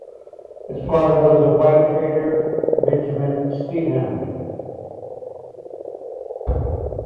His father was a white trader, Benjamin Stidham.